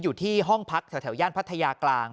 อยู่ที่ห้องพักแถวย่านพัทยากลาง